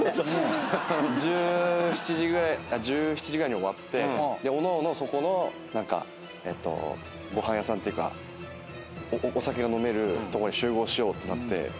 １７時ぐらいに終わっておのおのそこのご飯屋さんっていうかお酒が飲めるとこに集合しようってなって。